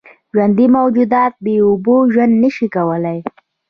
ژوندي موجودات بېاوبو ژوند نشي کولی.